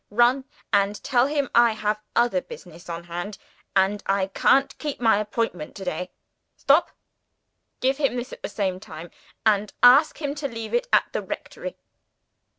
Run and tell him I have other business on hand, and I can't keep my appointment to day. Stop! Give him this at the same time, and ask him to leave it at the rectory."